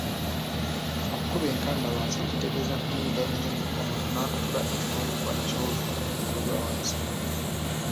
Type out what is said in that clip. Okukuba enkanda wansi kitegeeza kunyiiga nnyo omuntu n'akutula ekifundikwa ky'olubugo ne lugwa wansi.